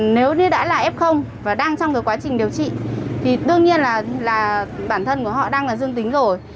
nếu như đã là f và đang trong cái quá trình điều trị thì đương nhiên là bản thân của họ đang là dương tính rồi